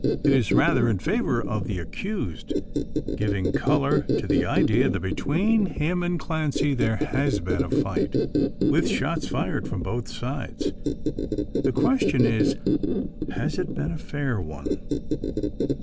It is rather in favour of the accused; giving colour to the idea, that between him and Clancy there has been a fight, with shots fired from both sides. The question is, "has it been a fair one?"